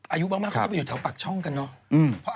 อายุบางก็คือไปแถวปากช่องกันเนาะ